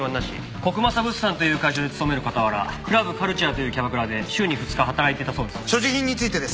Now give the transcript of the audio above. コクマサ物産という会社に勤める傍らＣｌｕｂｃｕｌｔｕｒｅというキャバクラで週に２日働いていたそうです。